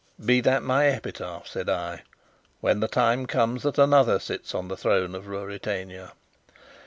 "Be that my epitaph," said I, "when the time comes that another sits on the throne of Ruritania."